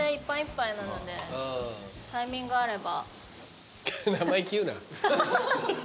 タイミングあれば。